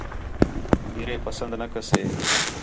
ہیرے پسند نہ کسے